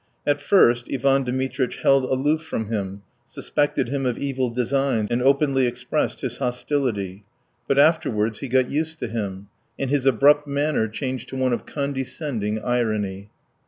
At first Ivan Dmitritch held aloof from him, suspected him of evil designs, and openly expressed his hostility. But afterwards he got used to him, and his abrupt manner changed to one of condescending irony.